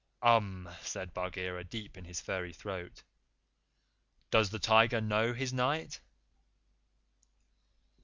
"Umm!" said Bagheera deep in his furry throat. "Does the Tiger know his Night?"